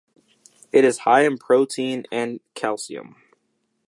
It is high in protein and calcium.